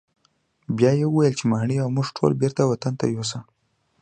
بیا یې وویل چې ماڼۍ او موږ ټول بیرته وطن ته یوسه.